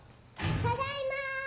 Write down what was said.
・ただいま！